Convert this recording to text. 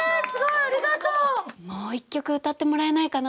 もう一曲歌ってもらえないかな。